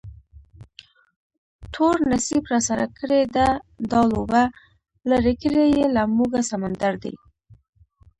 تور نصیب راسره کړې ده دا لوبه، لرې کړی یې له موږه سمندر دی